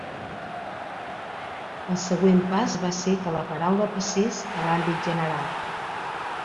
El següent pas va ser que la paraula passés a l'àmbit general.